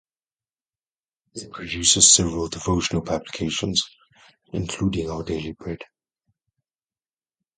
It produces several devotional publications, including "Our Daily Bread".